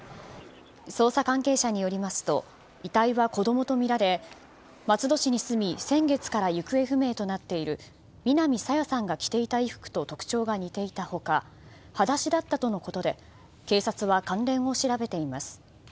捜査関係者によりますと遺体は子供とみられ松戸市に住み先月から行方不明となっている南朝芽さんが着ていた衣服と特徴が似ていた他裸足だったとのことで警察は関連を調べています。